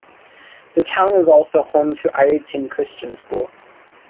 The town is also home to Ireton Christian School.